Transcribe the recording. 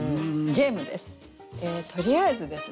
とりあえずですね